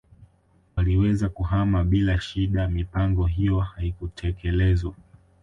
Waliweza kuhama bila shida mipango hiyo haikutekelezwa